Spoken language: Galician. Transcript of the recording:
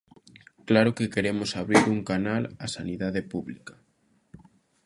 Claro que queremos abrir en canal a sanidade pública.